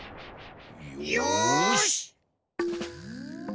よし！